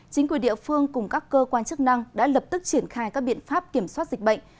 chính quyền địa phương cùng các cơ quan chức năng đã lập tức triển khai các biện pháp kiểm soát dịch bệnh